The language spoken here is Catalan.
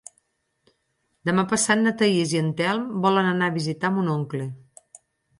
Demà passat na Thaís i en Telm volen anar a visitar mon oncle.